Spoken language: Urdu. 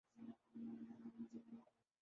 چوہدری نثار کو بھی داد دینی چاہیے۔